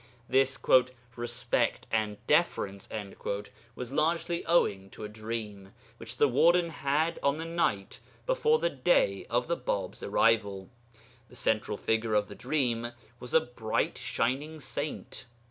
This 'respect and deference' was largely owing to a dream which the warden had on the night before the day of the Bāb's arrival. The central figure of the dream was a bright shining saint.